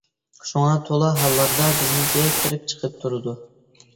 شۇڭا، تولا ھاللاردا بىزنىڭكىگە كىرىپ-چىقىپ تۇرىدۇ.